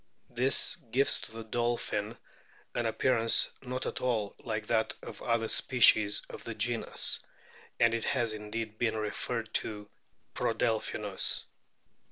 This gives to the dolphin an appearance not at all like that of other species of the genus, and it has indeed been referred to Prodelpkinus.